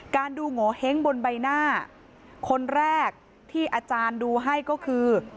ดูโงเห้งบนใบหน้าคนแรกที่อาจารย์ดูให้ก็คือ